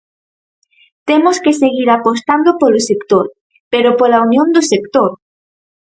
Temos que seguir apostando polo sector, pero pola unión do sector.